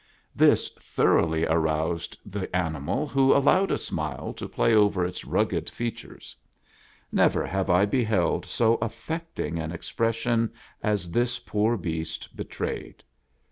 This thoroughly aroused the ani mal, who allowed a smile to play over its rugged fea tures. Never have I beheld so affecting an expression as this poor beast betrayed.